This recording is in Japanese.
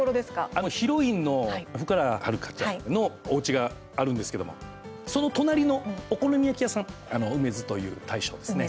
あの、ヒロインの福原遥ちゃんのおうちがあるんですけどもその隣のお好み焼き屋さん梅津という大将ですね。